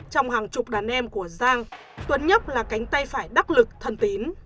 trong hàng chục đàn em của giang tuấn nhất là cánh tay phải đắc lực thân tín